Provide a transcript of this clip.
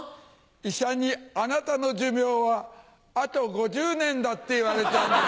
医者に「あなたの寿命はあと５０年だ」って言われたんです。